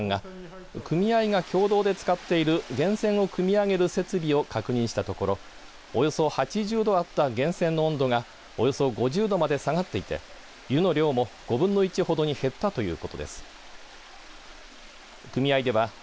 旅館の代表で嶽温泉旅館組合の組合長も務める小嶋庸平さんが組合が共同で使っている源泉をくみ上げる設備を確認したところおよそ８０度あった源泉の温度がおよそ５０度まで下がっていて湯の量も５分の１ほどに減ったということです。